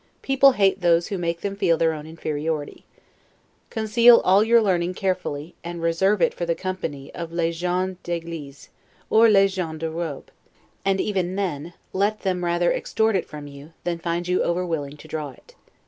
People hate those who make them feel their own inferiority. Conceal all your learning carefully, and reserve it for the company of les Gens d'Eglise, or les Gens de Robe; and even then let them rather extort it from you, than find you over willing to draw it.